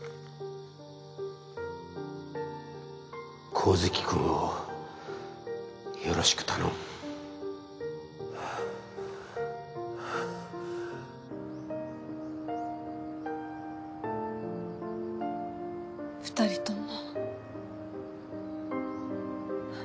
神月くんをよろしく頼む２人とも。